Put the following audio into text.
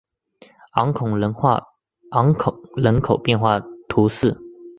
昂孔人口变化图示